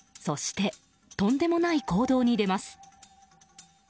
そして、とんでもない行動に出ます。